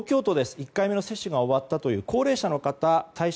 １回目の接種が終わったという高齢者の方対象